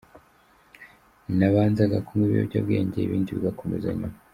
Nabanzaga kunywa ibiyobyabwenge, ibindi bigakomeza nyuma.